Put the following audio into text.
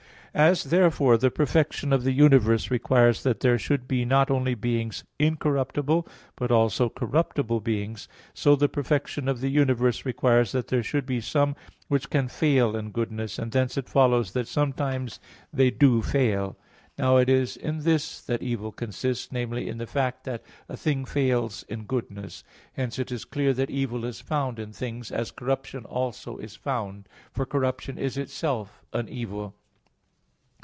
As, therefore, the perfection of the universe requires that there should be not only beings incorruptible, but also corruptible beings; so the perfection of the universe requires that there should be some which can fail in goodness, and thence it follows that sometimes they do fail. Now it is in this that evil consists, namely, in the fact that a thing fails in goodness. Hence it is clear that evil is found in things, as corruption also is found; for corruption is itself an evil.